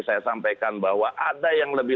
saya sampaikan bahwa ada yang lebih